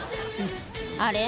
あれ？